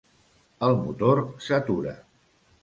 El motor s'atura.